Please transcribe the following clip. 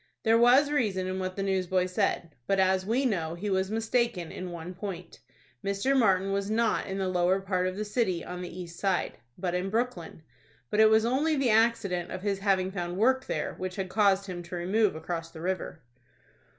There was reason in what the newsboy said; but, as we know, he was mistaken in one point,—Mr. Martin was not in the lower part of the city, on the east side, but in Brooklyn, but it was only the accident of his having found work there, which had caused him to remove across the river.